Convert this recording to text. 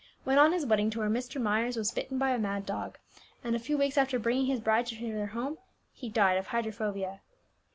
When on his wedding tour, Mr. Myers was bitten by a mad dog, and a few weeks after bringing his bride to their home he died of hydrophobia."